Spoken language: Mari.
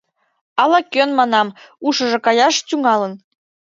— Ала-кӧн, манам, ушыжо каяш тӱҥалын.